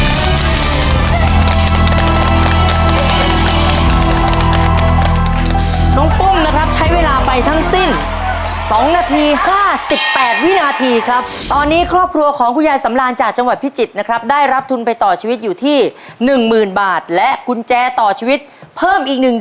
น้องปุ้มนะครับใช้เวลาไปทั้งสิ้น๒นาที๕๘วินาทีครับตอนนี้ครอบครัวของคุณยายสำราญจากจังหวัดพิจิตรนะครับได้รับทุนไปต่อชีวิตอยู่ที่๑๐๐๐บาทและกุญแจต่อชีวิตเพิ่มอีก๑๐๐